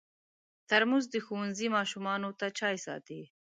ترموز د ښوونځي ماشومانو ته چای ساتي.